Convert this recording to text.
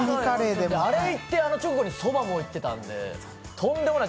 あれいって、あの直後にそばもいってたんで、とんでもない。